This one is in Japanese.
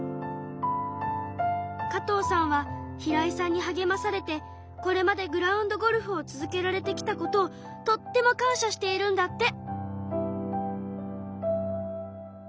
加藤さんは平位さんにはげまされてこれまでグラウンドゴルフを続けられてきたことをとっても感謝しているんだって。